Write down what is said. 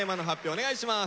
お願いします。